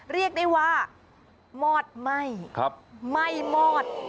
เรียกได้ว่ามอดไหม้ไม่มอด